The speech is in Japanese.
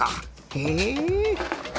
へえ。